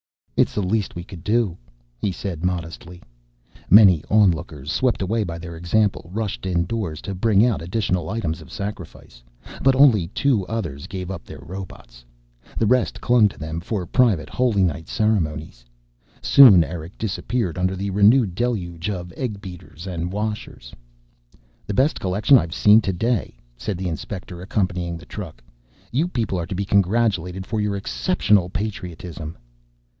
"It's the least we could do," he said modestly. Many onlookers, swept away by their example, rushed indoors to bring out additional items of sacrifice. But only two others gave up their robots. The rest clung to them for private Holy Night ceremonies. Soon Eric disappeared under the renewed deluge of egg beaters and washers. "The best collection I have seen today," said the inspector accompanying the truck. "You people are to be congratulated for your exceptional patriotism."